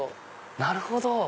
なるほど。